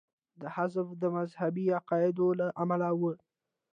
دا حذف د مذهبي عقایدو له امله وي.